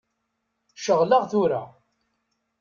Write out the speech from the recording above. Ceɣleɣ tura.